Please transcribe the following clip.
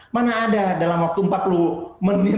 mana ada dalam waktu empat puluh menit